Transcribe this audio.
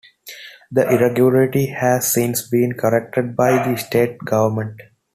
The irregularity has since been corrected by the State Government.